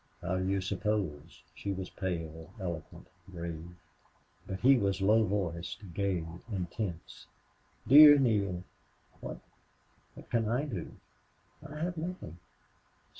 "How do you suppose?" She was pale, eloquent, grave. But he was low voiced, gay, intense. "Dear Neale what what can I do?... I have nothing...